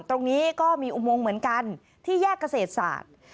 ตรงนี้ก็มีอุโมงเหมือนกันที่แยกเกษตรศาสตร์